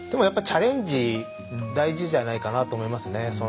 やっぱチャレンジ大事じゃないかなと思いますね。